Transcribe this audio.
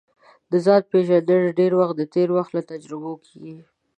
د ځان پېژندل ډېری وخت د تېر وخت له تجربو کیږي